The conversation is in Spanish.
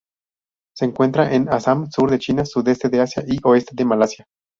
Se encuentran en Assam, sur de China, sudeste de Asia, y oeste de Malasia.